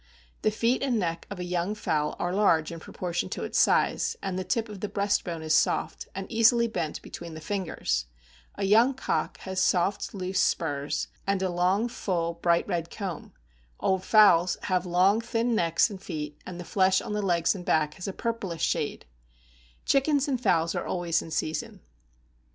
The feet and neck of a young fowl are large in proportion to its size, and the tip of the breast bone is soft, and easily bent between the fingers; a young cock, has soft, loose spurs, and a long, full, bright red comb; old fowls have long, thin necks and feet, and the flesh on the legs and back has a purplish shade; chickens and fowls are always in season.